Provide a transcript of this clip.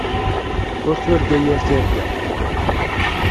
Ur turga yir tirga.